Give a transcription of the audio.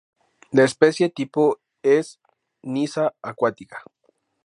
La especie tipo es: "Nyssa aquatica"